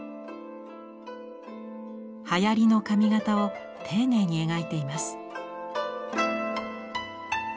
はやりの髪形を丁寧に描いています。